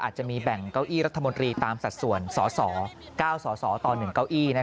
จะมีแบ่งเก้าอี้รัฐมนตรีตามสัดส่วนสส๙สสต่อ๑เก้าอี้